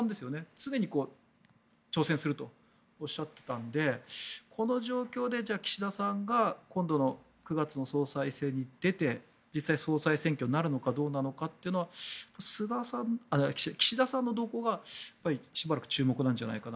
常に挑戦するとおっしゃっていたのでこの状況で岸田さんが今度の９月の総裁選に出て実際に総裁選挙になるのかどうなのかというのは岸田さんの動向がしばらく注目なんじゃないかな。